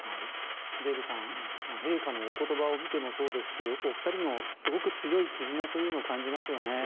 デーブさん陛下のお言葉を見てもそうですしお二人のすごく強い絆というのを感じますよね。